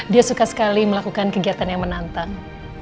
dia suka sekali melakukan kegiatan yang menantang